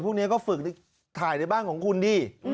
พวกนี้ก็ฝึกถ่ายในบ้านของคุณดิ